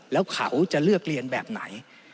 แล้วเขาจะเลือกเรียนแบบไหน